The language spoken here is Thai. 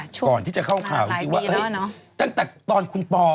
ก่อนที่จะเข้าข่าวจริงว่าตั้งแต่ตอนคุณปอ